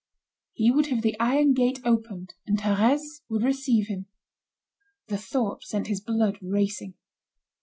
He would have the iron gate opened, and Thérèse would receive him. The thought sent his blood racing.